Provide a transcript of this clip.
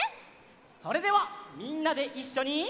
それではみんなでいっしょに。